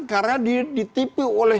karena ditipu oleh